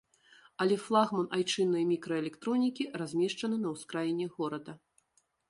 Але флагман айчыннай мікраэлектронікі размешчаны на ўскраіне горада.